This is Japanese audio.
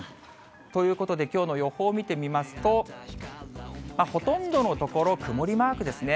ということできょうの予報を見てみますと、ほとんどの所、曇りマークですね。